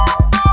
kau mau kemana